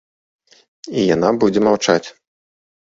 І яна будзе маўчаць.